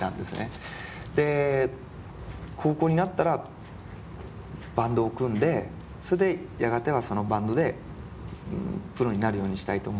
で高校になったらバンドを組んでそれでやがてはそのバンドでプロになるようにしたいと思っていて。